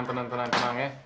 tahan tenang tenang